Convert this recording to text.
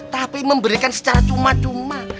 tapi memberikan secara cuma cuma